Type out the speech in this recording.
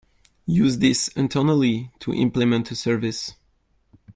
Use this internally to implement a service.